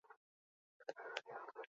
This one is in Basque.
Hala ere, hainbat data aztertu dituzte.